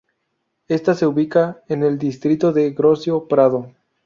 Esta se ubica en el distrito de Grocio Prado.